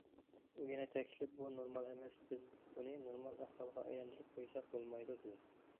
ئۇ يەنە تەكىتلەپ« بۇ نورمال ئەمەس، بىز بۇنى نورمال ئەھۋالغا ئايلاندۇرۇپ قويساق بولمايدۇ» دېدى.